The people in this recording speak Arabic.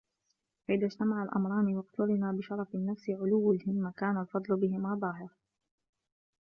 فَإِذَا اجْتَمَعَ الْأَمْرَانِ وَاقْتَرَنَ بِشَرَفِ النَّفْسِ عُلُوُّ الْهِمَّةِ كَانَ الْفَضْلُ بِهِمَا ظَاهِرًا